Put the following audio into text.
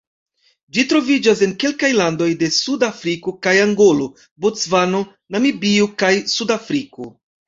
Ĝi troviĝas en kelkaj landoj de Suda Afriko kiaj Angolo, Bocvano, Namibio kaj Sudafriko.